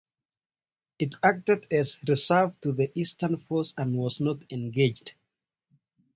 It acted as reserve to the Eastern Force and was not engaged.